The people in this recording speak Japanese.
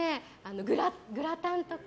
グラタンとか。